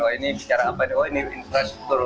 oh ini bicara apa ya oh ini infrastruktur